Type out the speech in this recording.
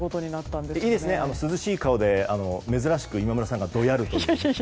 いいですね、涼しい顔で珍しく今村さんがどやるという。